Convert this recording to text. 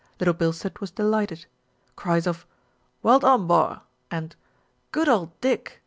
Little Bilstead was delighted. Cries of "Well done, bor!" and "Good old Dick!"